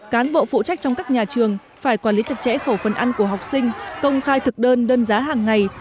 cán bộ phụ trách trong các nhà trường phải quản lý chặt chẽ khẩu phần ăn của học sinh công khai thực đơn đơn giá hàng ngày